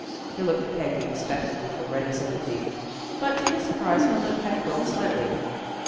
He looked at Peggy, expectant of her ready sympathy. But to his surprise, her lip had curled slightly.